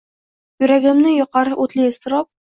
Yuragimni yoqar o’tli iztirob